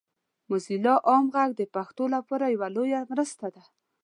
موزیلا عام غږ د پښتو لپاره یوه لویه مرسته ده.